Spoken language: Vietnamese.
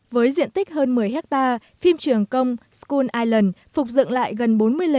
với diện tích hơn một mươi hectare phim trường công skull island phục dựng lại gần bốn mươi lề